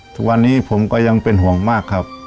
ทุกวันนี้ผมก็ยังเป็นห่วงมากครับ